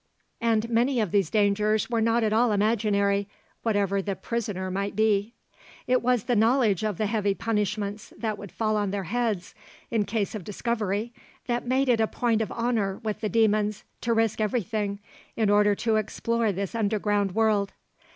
And many of these dangers were not at all imaginary, whatever the 'prisoner' might be. It was the knowledge of the heavy punishments that would fall on their heads in case of discovery that made it a point of honour with the demons to risk everything in order to explore this underground world.